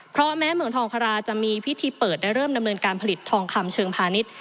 เพราะแม้เมืองทองคาราจะมีพิธีเปิดและเริ่มดำเนินการผลิตทองคำเชิงพาณิชย์